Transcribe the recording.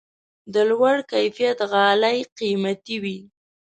د لوړ کیفیت غالۍ قیمتي وي.